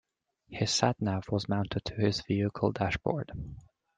His sat nav was mounted to his vehicle dashboard